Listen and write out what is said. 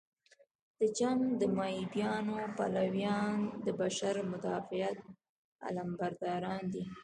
د جنګ د مهابیانیو پلویان د بشر مدافعت علمبرداران دي.